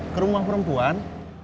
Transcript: ke rumah perempuan